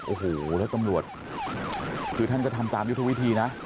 โอ้โหแล้วตำรวจคือท่านก็ทำตามยุทธวิธีนะ